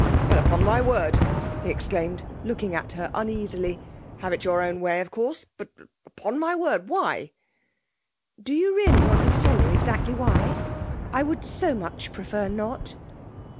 'Well upon my word!' he exclaimed, looking at her uneasily. 'Have it your own way, of course but upon my word! Why?' 'Do you really want me to tell you exactly why? I would so much prefer not.'